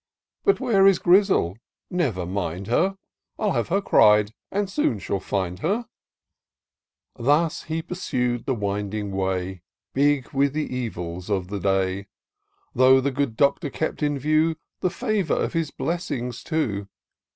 But where is Grizzle ?— Never mind her ; I'll have her cried, and soon shall find her." Thus he pursued the winding way. Big with the evils of the day Though the good Doctor kept in view The favour of its blessings too.